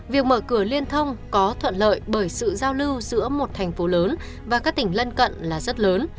việc mở cửa liên thông có thuận lợi bởi sự giao lưu giữa một thành phố lớn và các tỉnh lân cận là rất lớn